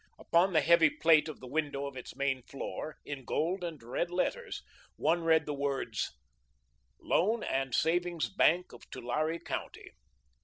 Upon the heavy plate of the window of its main floor, in gold and red letters, one read the words: "Loan and Savings Bank of Tulare County."